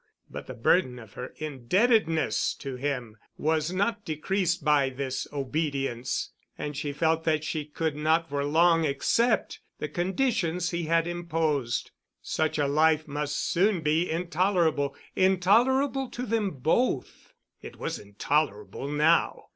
But the burden of her indebtedness to him was not decreased by this obedience, and she felt that she could not for long accept the conditions he had imposed. Such a life must soon be intolerable—intolerable to them both. It was intolerable now.